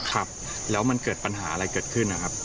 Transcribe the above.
ครับแล้วมันเกิดปัญหาอะไรเกิดขึ้นนะครับ